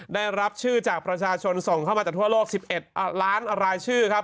ได้รับชื่อจากประชาชนส่งเข้ามาจากทั่วโลก๑๑ล้านรายชื่อครับ